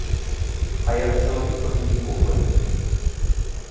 А як чоловікові ніколи?